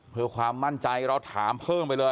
เพื่อความมั่นใจเราถามเพิ่มไปเลย